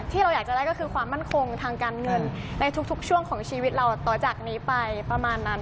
ที่เราอยากจะได้ก็คือความมั่นคงทางการเงินในทุกช่วงของชีวิตเราต่อจากนี้ไปประมาณนั้น